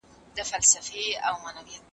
مندوشاه چي هم هوښیار هم پهلوان وو